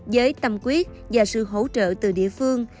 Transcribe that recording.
với tâm quyết và sự hỗ trợ từ địa phương